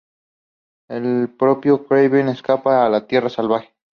El propio Kraven escapa a la Tierra Salvaje.